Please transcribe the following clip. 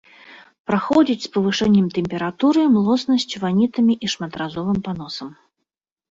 Праходзіць з павышэннем тэмпературы, млоснасцю, ванітамі і шматразовым паносам.